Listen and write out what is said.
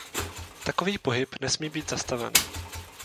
Takový pohyb nesmí být zastaven.